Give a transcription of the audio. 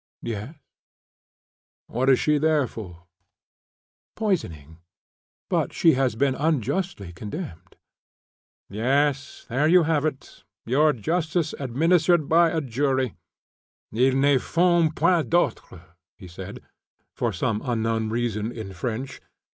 "Yes." "What is she there for?" "Poisoning, but she has been unjustly condemned." "Yes, there you have it, your justice administered by jury, ils n'en font point d'autres," he said, for some unknown reason, in French.